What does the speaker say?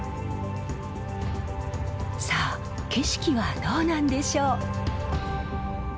さあ景色はどうなんでしょう？